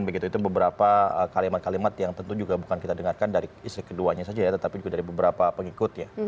begitu itu beberapa kalimat kalimat yang tentu juga bukan kita dengarkan dari istri keduanya saja ya tetapi juga dari beberapa pengikut ya